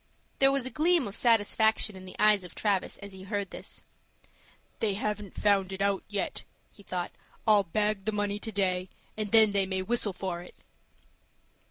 There was a gleam of satisfaction in the eyes of Travis, as he heard this. "They haven't found it out yet," he thought. "I'll bag the money to day, and then they may whistle for it."